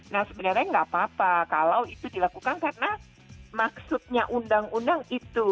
nah sebenarnya nggak apa apa kalau itu dilakukan karena maksudnya undang undang itu